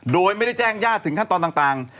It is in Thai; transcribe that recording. โดยไม่ได้แจ้งญาติถึงขั้นตอนต่าง